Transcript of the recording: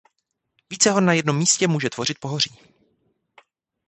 Více hor na jednom místě může tvořit pohoří.